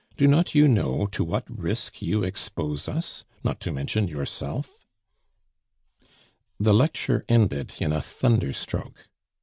Do not you know to what risk you expose us, not to mention yourself?" The lecture ended in a thunderstroke.